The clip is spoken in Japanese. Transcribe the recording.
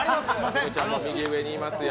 ちゃんと右上にいますよ。